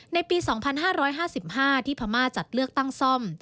ในปี๒๕๕๕ที่พม่าจัดเลือกตั้งซ่อม